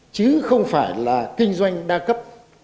chứ không phải là kinh doanh đa cấp